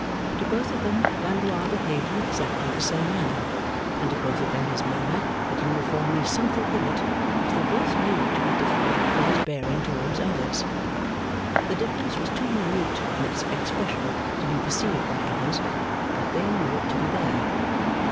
To both of them, Blandois behaved in exactly the same manner; and to both of them his manner had uniformly something in it, which they both knew to be different from his bearing towards others. The difference was too minute in its expression to be perceived by others, but they knew it to be there.